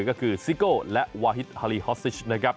ก็คือซิโก้และวาฮิตฮาลีฮอสซิชนะครับ